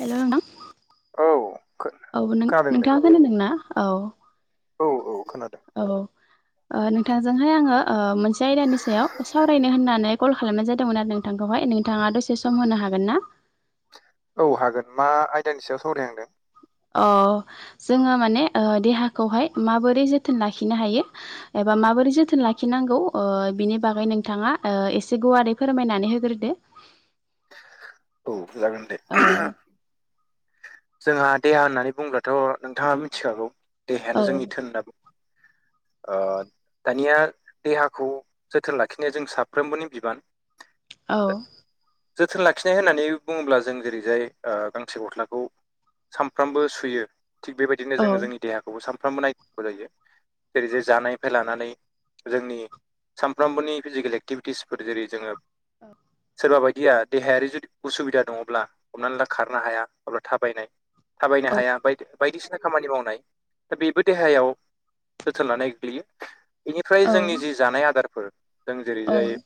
हेल' न औ। औ नों खोनादों दे नोंथाङा होनो नोंना औ। औ औ खोनादों औ नोंथांजोंहाय आङो मोनसे आयदानि सायाव सावरायनो होननानै कल खालामनाय जादोंमोन आरो नोंथां नोंथांखौहाय नोंथाङा दसे सम होनो हागोन ना? औ हागोन मा आयदानि सायाव सावरायहांदों जोङो माने देहाखौहाय माबोरै जोथोन लाखिनो हायो? एबा माबोरै जोथोन लाखिनांगौ बिनि बागै नोंथाङा ओ एसे गुवारै फोरमायनानै होग्रोदो। औ जागोन दे औ जोंहा देहा होननानै बुङो थ' नोंथाङा मिथिखागौ औ देहायानो जोंनि धोन ओ दानिया देहाखौ जोथोन लाखिनाया जों साफ्रोमबोनि बिबान। औ जोथोन लाखिनाय होननानै बुङोब्ला जों जेरैजाय ओ गांसे गस्लाखौ सानफ्रामबो सुयो थिग बेबायदिनो औ जोङो जोंनि देहाखौबो सानफ्रामबो नायनांगौ जायो। जेरै जे जानायनिफ्राय लानानै जोंनि सानफ्रामबोनि फिजिकेल एक्टिभिटिसफोर जेरै जोङो औ सोरबा बायदिया देहायारि जुदि उसुबिदा दङब्ला हमनानै ला खारनो हाया अब्ला थाबायनाय थाबायनो औ हाया बायदि बायदिसिना खामानि मावनाय दा बेबो देहायाव जोथोन लानाय गोग्लैयो। बेनिफ्राय जोंनि जि जानाय आदारफोर जों औ जेरैजाय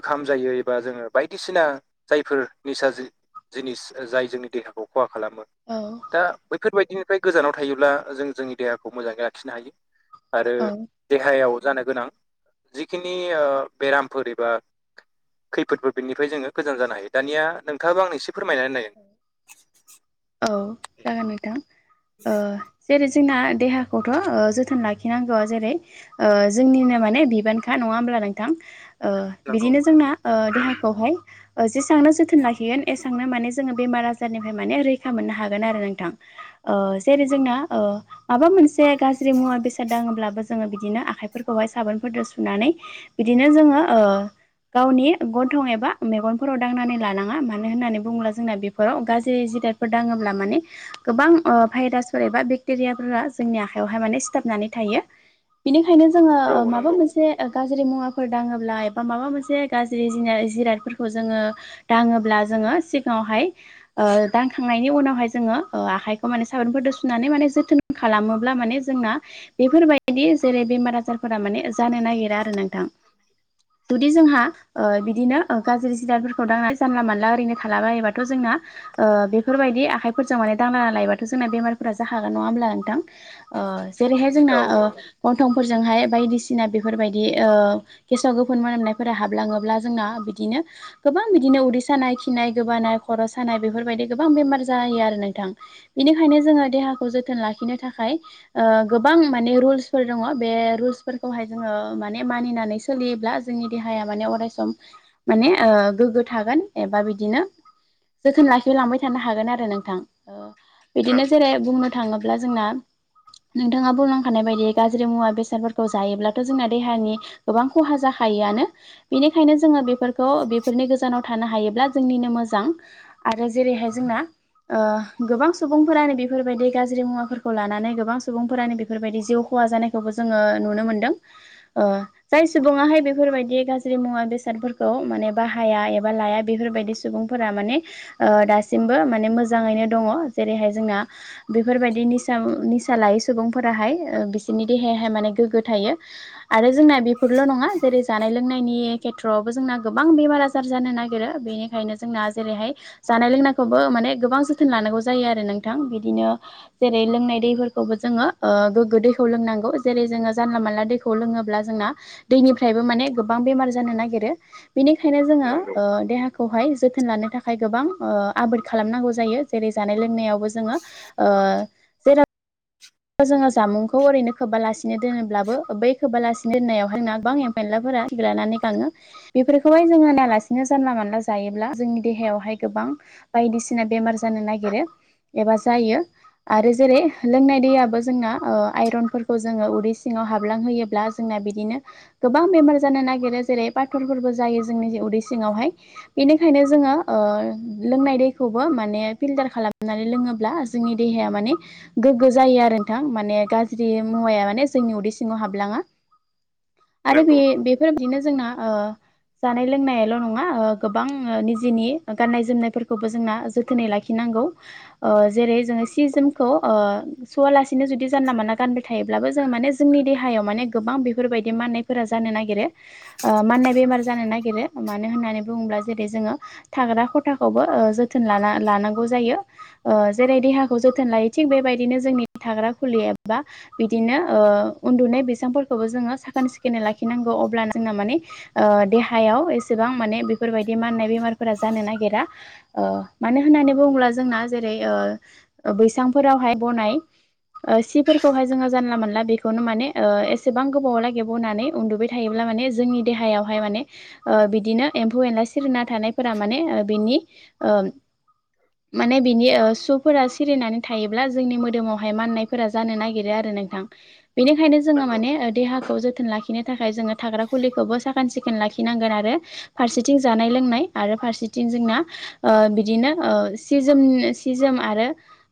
ओंखाम जायो एबा जोङो बायदिसिना जायफोर निसा जिनिस जाय जोंनि देहाखौ खहा खालामो औ दा बैफोरबायदिनिफ्राय गोजानाव थायोब्ला जों जोंनि देहाखौ मोजाङै लाखिनो हायो आरो औ देहायाव जानो गोनां जिखिनि बेरामफोर एबा खैफोदफोर बेनिफ्राय जोङो गोजान जानो हायो दानिया नोंथाङाबो आं एसे फोरमायनानै नायो औ जागोन नोंथां ओ जेरै जोंना देहाखौथ' जोथोन लाखिनांगौ जेरै ओ जोंनिनो माने बिबानखा नङा होमब्ला नोंथां? ओ नंगौ बिदिनो नंगौ जोंना ओ देहाखौहाय जेसेांनो ओ जोथोन लाखिगोन एसेबांनो माने जोङो बेमार आारनिफ्राय मान रैखा मोननो हागोन आरो नोंथां ओ जेरै जोंना ओ माबा मोनसे गाज्रि मुवा बेसाद दाङोब्लाबो जोङो बिदिनो आखाइ फोरखौहाय साबोनफोरजों सुनानै बिदिनो जोङो ओ गावनि गन्थं एबा मेगनफोराव दांनानै लानङा मानो होन्नानै बुंङोब्ला जोंना बेफोराव गाज्रि जिदादफोर दाङोब्ला माने गोबां भाइरासफोर एबा बेक्टेरियाफोरा जोंनि आखाइयावहाय माने सिथाबनानै थायो। बिनिखायनो जोङो औ माबा नंगौ मोनसे गाज्रि मुवाफोर दाङोब्ला एबा माबा मोनसे गाज्रि जिरादफोरखौ जोङो दाङोब्ला जोङो सिगाङावहाय ओ दानखांनायनि उनावहाय जोङो ओ आखाइखौ माने साबोनफोरजों सुनानै माने जोथोन खालामोब्ला माने जोंना बेफोरबायदि जेरै बेमार आजार फोर माने जानो नागिरा आरो नोंथां। जुदि जोंहा ओ बिदिनो गाज्रि जििरादफोरखौ दांनानै जानला मानला ओरैनो बायोबाथ' जोंना ओ बेफोरबायदि आखाइफोरजों माने दांला लायोबाथ' जोंना बेमारफोरा जाहागोन नङा होमब्ला नोंथां? ओ जेरैहाय जोंना औ गन्थंफोरजोंहाय बायदिसिना बेफोरबायदि ओ गेसाव गोफोन मोनामनायफोरा हाबलाङोब्ला जोंना बिदिनो गोबां बिदिनो उरि खि फिनाय गोबानाय खर' सानाय बेफोरबायदि गोबां बेमार जायो आरो नोंथां। बेनिखायनो जोङो देहाखौ जोथोन लाखिनो थाखाय ओ गोबां माने रुल्सफोर दङ बे रुल्सफोरखौहाय जोङो माने मानिनानै सोलियोब्ला जोंनि देहाया माने अरायस माने गोग्गो थागोन एबा बिदि बिदिनो जोथोन लाखि लांबाय थानो हागोन आरो नोंथां बिदिनो नंगौ जेरै नंगौ बुंनो थाङोब्ला जोंना नोंथाङा बुंलांखानाय बायदि गाज्रि मुवा बेसादफोरखौ जायोब्लाथ' जोंना देहानि गोबां खहा जाखायिआनो बेनिखायनो जोङो बेफोरखौ बेफोरनि गोजानाव थानो हायोब्ला नो मोजां आरो जेरैहाय जोंना गोबां सुबुंफोरानो बेफोरबायदि गाज्रि मुवाफोरखौ लानानै गोबां सुबुंफोरानो बेफोरबायदि जिउ खहा जानाय थवबो जोङो नुनो मोनदों। जाय सुबुाहाय बेफोरबायदि गाज्रि मुवा बेसादफोरखौ माने बाहाया एबा लाया बेफोरबायदि सुबुंफोरा माने दासिमबो माने मोजाङैनो दङ जेरैहाय जोंना बेफोरबायदि निसा निसा लायो सुबुंफोराहाय बिसोरनि देहायाहाय माने गोग्गो थायो आरो जोंना बेफोरल' नङा जेरै जानाय लोंनायनि खेथ्र'आवबो जोंना गोबां बेमार आजार जानो नागिरो बेनि ओंखायनो जोंना जेरैहाय जानाय लोंनायखौबो माने गोबां जोथोन लानांगौ जायो आरो नोंथां बिदिनो जेरै लोंनाय दैफोरखौबो जोङो गोग्गो दैखौ लोंनांगौ जेरै जोङो जानला मानला दैखौ खौ लोङोब्ला जोंना दैनिफ्रायबो माने गोबां बेमार जानो नागिरो बिनिखायनो जोङो नंगौ देहा खौहाय जोथोन लानो थाखाय गोबां आबाद खालामनांगौ जायो जेरै जानाय लोंनायावबो जोङो ओ। जेराव जोङो जामुंखौ ओरैनो खोबालासिनो दोनोब्लाबो बै खोबालासिनो दोननायावहाय ना गोबां ए मनलाफोराग्रानानै गाङो [unintelligible] बेफोरखौहाय जों नायालासिनो जानला मानला जायोब्ला जोंनि देहायावहाय गोबां बायदिसिना बेमार जानो नागिरो एबा जायो आरो जेरै लोंनाय दै जों आइरनफोरखौ जोङो उदै सिङाव हाबलां होयोब्ला जोंना बिदिनो गोबां बेमार जानो नागिरो जेरै बाथलफोरबो जायो जोंनि सिङावहाय बेनिखाय ओंखायनो जोङो लोंनाय दैखौबो माने फिल्टार खालामनानै लोङोब्ला जोंनि देहाया माने गोग्गो जायो आरो ग म म जोंनि उदै सिङाव हाबलाङा आरो नंगौ नंगौ बेफोरबदिनो जोंना जानाय लोंनायाल' नङा गोबां निजेनि गाननाय जोमनायफोरखौबो जोंना जोथोनै लाखि नांगौ ओ जेरै जों सि जोमखौ ओ सुआलासे नो जुदि जानला माना गानबाय थायोब्लाबो जों माने जोंनि देहायाव माने गोबां बेफोरबायदि माननायफोरा जानो नागिरो माननाय बेमार जानो नागिरो मानो होननानै बुङोब्ला जेरै जोङो थाग्रा खथाखौबो जोथोन लाना लानांगौ जायो। जेरै देहाखौ जोथोन लायो थिग बेबायदिनो जोंनि थाग्रा फुलि एबा बिदिनो ओ उन्दुनाय बिफोरखौ खौबो जोङो साखोन सिखोनै लाखिनांगौ अब्ला जोंना माने देहायाव एसेबां माने बेफोरबायदि माननाय बेमारफोरा जानो नागिरा मानो होननानै बुङोब्ला जोंना जेरै बैसांफोरावहाय बनाय सिफोरखौहाय जोङो जानला मोनानला बेखौनो माने एसेबां गोबाव ला गिरबावनानै उन्दुबाय थायोब्ला माने जोंनि देहायावहाय माने बिदिनो एम्फौ एनला सिरिना थानायफोरा माने बिनि माने बिनि श'फोरा सिरिनानै थायोब्ला जोंनि मोदोमाव मनायफोरा जानो नागिरो आरो नोंथां बेनिखायनो जोङो नंगौ माने देहाखौ जोथोन लाखिनो थाखाय जोङो थाग्रा खुलिखौबो साखोन सिखोन लाखिनांगोन आरो फारसेथिं जानाय लोंनाय आरो फारसेथिं जोंना बिदिनो सिजोम सिजोम आरो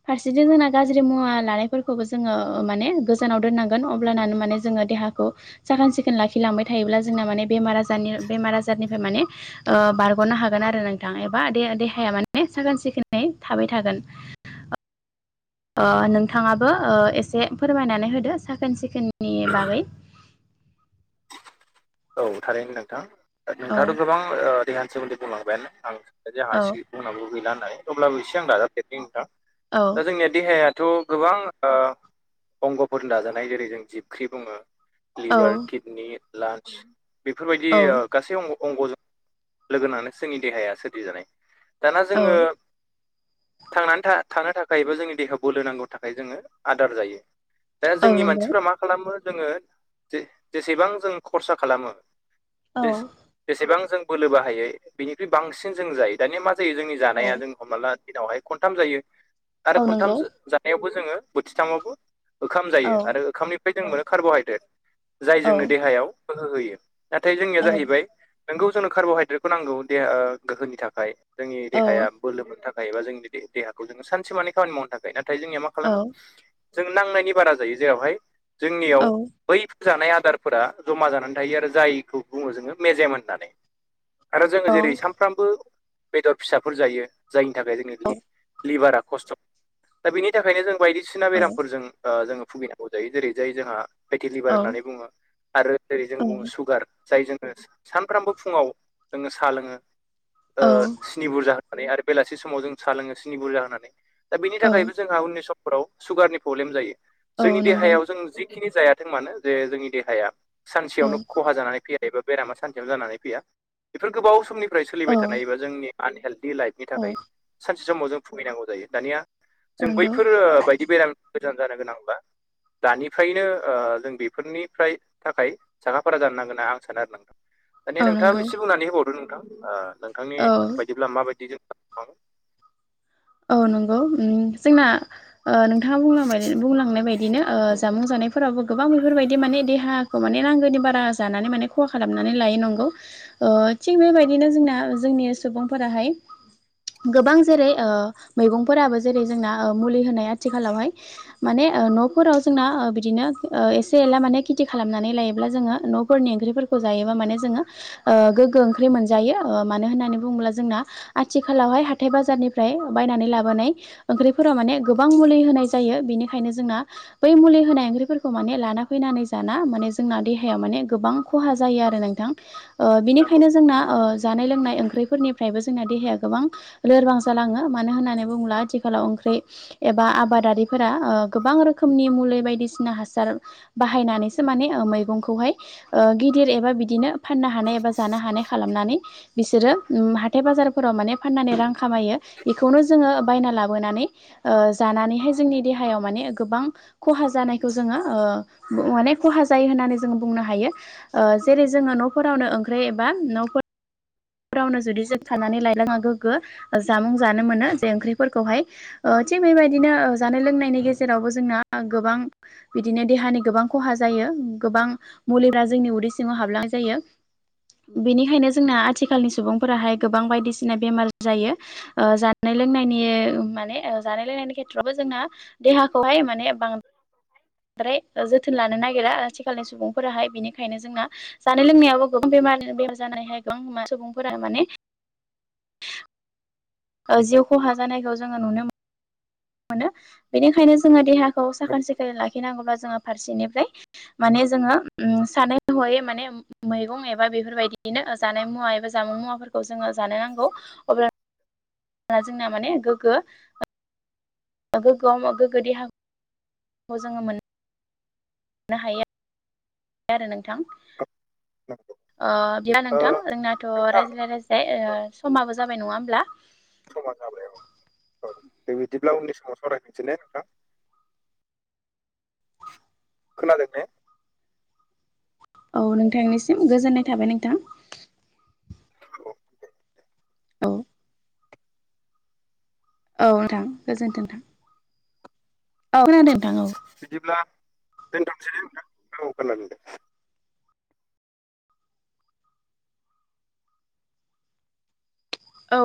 फारसेथिं जोंना गाज्रि मुवा लानायफोरखौबो जोङो माने गोजानाव दोननांगोन अब्लानो माने जोङो देहाखौ साखोन सिखोन लाखिलांबाय थायोब्ला जोंना माने बेमार आजारनि बेमार आजारनिफ्राय माने ओ बारग'नो हागोन आरो नोंथां एबा दे देहाया माने साखोन सिखोनै थाबाय थागोन ओ नोंथाङाबो ओ एसे फोरमायनानै होदो साखोन सिखोननि बागै औ थारैनो नोंथां औ नोंथाङाथ' गोबां देहानि सोमोन्दै बुंलांबायानो आं सानबाय जे आंहा औ एसे [unintelligible] अब्लाबो एसे आं दाजाब देरनि नोंथां औ दा जोंनिया देहायाथ' गोबां ओ अंग'फोरजों दाजानाय जेरै जों जिबख्रि बुङो औ लिभार किडनि लांस बेफोरबायदि औ ओ गासै अंग'जों लोगोनांनानै जोंनि देहाया सोरदिजानाय दाना औ जोङो थांनानै था थानो थाखायबो जोंनि देहायाव बोलो नांगौ थाखाय जोङो आदार जायो दा औ जोंनि नंगौ मानसिफ्रा मा खालामो जोङो जे जेसेबां जों खरसा खालामो औ जेस जेसेबां जों बोलो बाहायो बिनिख्रुइ बांसिन जों जायो दानिया मा जायो जोंनि औ जानाया जों हमला दिनावहाय खनथाम जायो आरो औ खनथाम नंगौ जानायावबो जोङो बोथिथामावबो ओखाम जायो औ आरो ओखामनिफ्राय औ जों मोनो कार्ब'हाइद्रेट जाय औ जोंनो देहायाव गोहो होयो नाथाय जोंनिया औ जाहैबाय नोंगौ जोंनो कार्ब'हाइद्रेटखौ नांगौ देहा गोहोनि थाखाय जोंनि औ देहाया औ बोलो मोननो थाखाय एबा जोंनि देहाखौ जोङो सानसे मानि खामानि मावनो थाखाय ना नाथाय जोंनिया मा औ खालामो जों नांनायनि बारा जायो जेरावहाय जोंनियाव बैफोर जानाय आदारफोरा जमा जानानै थायो आरो जायखौ बुङो जोङो मेजेम होननानै आरो जोङो जेरै सामफ्रामबो बेदर फिसाफोर जायो जायनि थाखाय जोंनि लिभारा खस्थ' दा बिनि थाखायनो जों बायदिसिना बेरामफोरजों ओ जोङो भुगिनांगौ जायो जेरै जाय जोंहा औ फाइटिलिभार होननानै बुङो आरो ओेरै जों औ बुङो सुगार जाय जोङो सानफ्रामबो फुङाव जोङो सा लोङो औ स्नि बुरजा होननानै आरो बेलासि समाव जों सा लोङो स्नि बुरजा होननानै दा बेनि थाखायबो जोंहा उननि समाव फोराव सुगारनि प्रब्लेम जायो जोंनि औ नंगौ देहायाव जों जिखिनि जायाथों मानो जे जोंनि देहाया औ सानसेयावनो खहा जानानै फैया एबा बेरामा सानसेयावनो जानानै फैया बेफोर गोबाव समनि फ्राय औ सोलिबाय थानाय एबा जोंनि आनहेलडि लाइफनि औ थाखाय सानसे समाव जों भुहैनांगौ जायो दानिया जों नंगौ बैफोर बायदि बेराम गोजान जानो गोनांब्ला दानिफ्रायनो ओ जों बेफोरनिफ्राय थाखाय साखाफारा जानो नांगोन होनना आं सानो आरो नोंथां दानिया औ नोंथाङाबो नंगौ एसे बुंनानै होबावदो नोंथां ओ नोंथांनि औ बायदिब्ला माबायदि [unintelligible] औ नंगौ उम जोंना ओ नोंथाङा बुंलां बुंलांनाय बायदिनो ओ जामुं जानायफोरावबो गोबां बेफोरबायदि माने देहाखौ माने माने नांगौनि बारा जानानै माने खहा खालामनानै लायो नंगौ ओ थिग बेबायदिनो जोंना जोंनि सुबुंफोराहाय गोबां जेरै ओ मैगंफोराबो जेरै जोंना मुलि होनाय आथिखालावहाय माने ओ न'फोराव जोंना बिदिनो ओ एसे एला माने खेथि खालामनानै लायोब्ला जोङो न' फोरनि ओंख्रिफोरखौ जायोबा माने जोङो ओ गोग्गो ओंख्रि मोनजायो ओ मानो होननानै बुङोब्ला जोंना आथिखालावहाय हाथाय बाजारनिफ्राय बायनानै लाबोनाय ओंख्रिफोराव माने गोबां मुलि होनाय जायो बेनिखायनो जोंना बै मुलि होनाय ओंख्रिफोरखौ माने लाना फैनानै जाना माने जोंना देहायाव माने गोबां खहा जायो आरो नोंथां ओ नांगौ बिनिखायनो जोंना ओ जानाय लोंनाय ओंख्रिफोरनिफ्रायबो जोंना देहाया गोबां लोरबां जालाङो मानो होननानै बुङोब्ला आथिखालाव ओंख्रि एबा आबादारिफोरा ओ गोबां रोखोमनि मुलि बायदिसिना हासार बाहायनानैसो माने ओ मैगंखौहाय ओ गिदिर एबा बिदिनो फाननो हानाय एबा जानो हानाय खालामनानै बिसोरो हाथाय बाजारफोराव माने फाननानै रां खामायो बेखौनो जोङो बायना लाबोनानै ओ जानानैहाय जोंनि देहायाव माने गोबां खहा जानायखौ जोङो ओ माने खहा जायो होननानै जोङो बुंनो हायो ओ जेरै जोङो न'फोरावनो ओंख्रि एबा न' फोर फोरावनो जुदि जों थानानै [unintelligible] गोग्गो जामुं जानो मोनो जे ओंख्रिफोरखौहाय ओ थिग बेबायदिनो जानाय लोंनायनि गेजेरावबो जोंना गोबां बिदिनो देहानि गोबां खहा जायो गोबां मुलिफोरा जोंनि उदै सिङाव हाबलांनाय जायो बेनिखायनो जोंना आथिखालनि सुबुंफोराहाय गोबां बायदिसिना बेमार जायो ओ जानाय लोंनायनि माने जानाय लोंनायनि खेथ्रआवबो जोंना देहाखौहाय माने बां द्राय जोथोन लानो नागिरा आथिखालनि सुबुंफोराहाय बिनिखायनो जोंना जानाय लोंनायावबो गोबां बे बेमार जानानैहाय गोबां सुबुंफोरा माने ओ जिउ खहा जानायखौ जोङो नुनो मोन मोनो बेनिखायनो जोङो देहा खौ साखोन सिखोनै लाखिनांगौब्ला जोङो फारसेनिफ्राय माने जोङो सानै हयै माने मैगं एबा बेफोरबायदिनो जानाय मुवा एबा जामुं मुवाफोरखौ जोङो जानो नांगौ अब्ला जोंना माने गोग्गो अ गोग्गो अ गोग्गो देहा खौ जोङो मोन मोननो हायो आरो नोंथां बिदिब्ला ओ नोंथां जोंनाथ' नोंथां रायज्लायनाय समाबो जाबाय नङा होमब्ला समा जाबाय औ बिदिब्ला उननि समाव सावरायफिननोसै ने नोंथां [inaudible] खोनादों ने औ नोंथांनिसिम गोजोननाय थाबाय नोंथां। औ औ औ नोंथां गोजोनथों नोंथां औ खोनादों नोंथां औ बिदिब्ला दोनथ'नोसै दे नोंथां औ